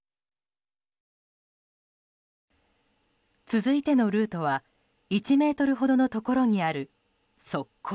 続いてのルートは１ｍほどのところにある側溝。